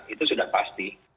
itu sudah pasti